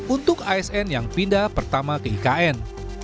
untuk asn yang pindah pertama ke ikn